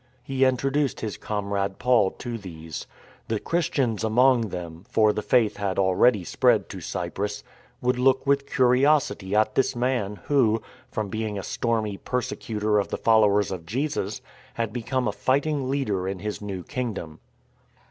He introduced his comrade Paul to these. The Christians among them (for the Faith had already spread to Cyprus) would look with curi osity at this man who, from being a stormy persecutor THE ISLAND ADVENTURE 119 of the followers of Jesus, had become a fighting leader in His new Kingdom.